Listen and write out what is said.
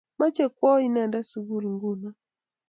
Mache kwo inendet sukul nguno.